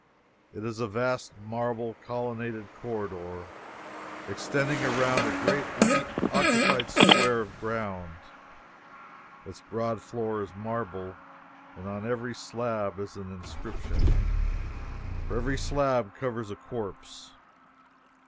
It is a vast marble collonaded corridor extending around a great unoccupied square of ground; its broad floor is marble, and on every slab is an inscription for every slab covers a corpse.